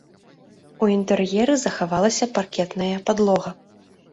У інтэр'еры захавалася паркетная падлога.